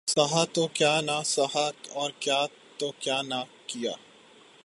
سہا تو کیا نہ سہا اور کیا تو کیا نہ کیا